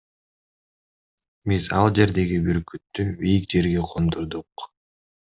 Биз ал жердеги бүркүттү бийик жерге кондурдук.